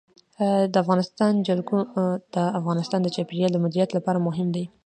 د افغانستان جلکو د افغانستان د چاپیریال د مدیریت لپاره مهم دي.